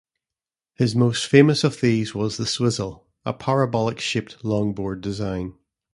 His most famous of these was the Swizzle, a parabolic-shaped longboard design.